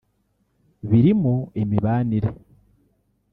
birimo imibanire